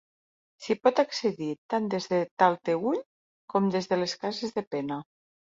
S'hi pot accedir tant des de Talteüll com des de les Cases de Pena.